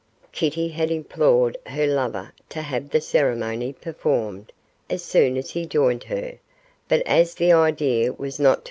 Kitty had implored her lover to have the ceremony performed as soon as he joined her; but as the idea was not to M.